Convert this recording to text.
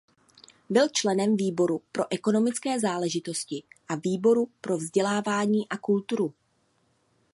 Byl členem výboru pro ekonomické záležitosti a výboru pro vzdělávání a kulturu.